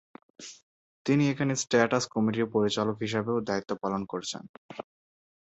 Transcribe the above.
তিনি এখানে স্ট্যাটাস কমিটির পরিচালক হিসেবেও দায়িত্ব পালন করেছেন।